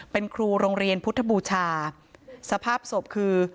เป็นครูโรงเรียนพุทธบูชาสภาพศพคือ